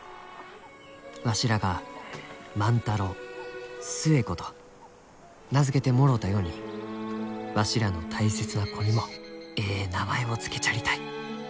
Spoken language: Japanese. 「わしらが『万太郎』『寿恵子』と名付けてもろうたようにわしらの大切な子にもえい名前を付けちゃりたい。